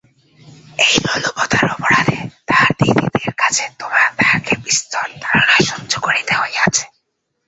এই লোলুপতার অপরাধে তাহার দিদিদের কাছে তাহাকে বিস্তর তাড়না সহ্য করিতে হইয়াছে।